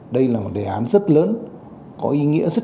đây là một đề án rất lớn có ý nghĩa rất